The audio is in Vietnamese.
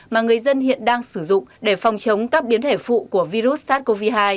mà người dân hiện đang sử dụng để phòng chống các biến thể phụ của virus sars cov hai